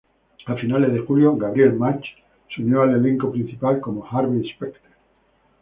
A finales de julio, Gabriel Macht se unió al elenco principal como Harvey Specter.